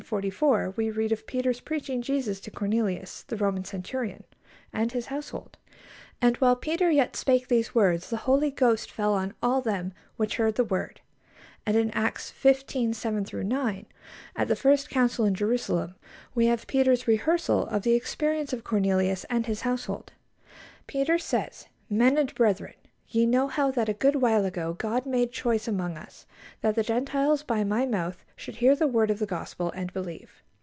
44, we read of Peter's preaching Jesus to Cornelius, the Roman centurion, and his household; and "while Peter yet spake these words, the Holy Ghost fell on all them which heard the word"; and in Acts xv. 7 9, at the first Council in Jerusalem, we have Peter's rehearsal of the experience of Cornelius and his household. Peter says: "Men and brethren, ye know how that a good while ago God made choice among us, that the Gentiles by my mouth should hear the word of the Gospel, and believe.